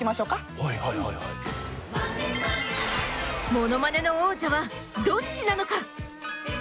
モノマネの王者はどっちなのか？